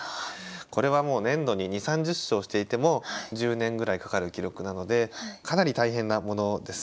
これはもう年度に２０３０勝していても１０年ぐらいかかる記録なのでかなり大変なものです。